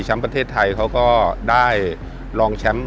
ประเทศไทยเขาก็ได้ลองแชมป์